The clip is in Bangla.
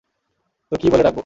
তো কী বলে ডাকবো?